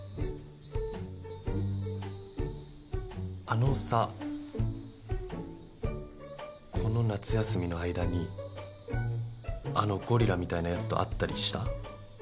あのさこの夏休みの間にあのゴリラみたいなやつと会ったりした？